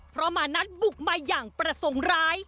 เพราะมานัดบุกมาอย่างประสงค์ร้าย